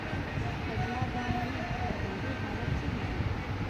که زما دا منې، پر همدې حالت سم دي.